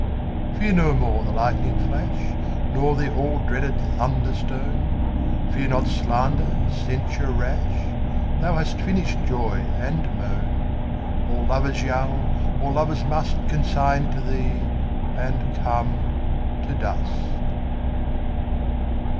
Fear no more the lightning flash, Nor the all dreaded thunder stone; Fear not slander, censure rash; Thou hast finish'd joy and moan:All lovers young, all lovers mustConsign to thee, and come to dust.